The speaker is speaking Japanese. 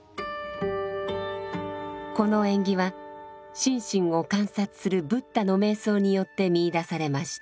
この縁起は心身を観察するブッダの瞑想によって見いだされました。